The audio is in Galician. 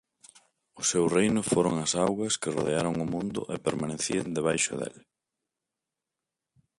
O seu reino foron as augas que rodearon o mundo e permanecían debaixo del.